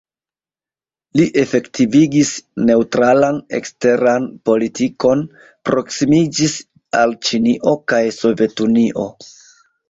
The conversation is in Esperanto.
Li efektivigis neŭtralan eksteran politikon, proksimiĝis al Ĉinio kaj Sovetunio.